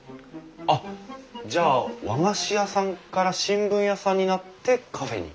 あっじゃあ和菓子屋さんから新聞屋さんになってカフェに？